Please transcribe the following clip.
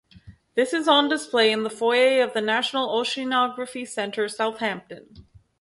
This is on display in the foyer of the National Oceanography Centre, Southampton.